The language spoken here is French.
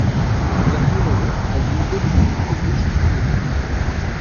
La floraison a lieu dès le début de l'été jusqu'en automne.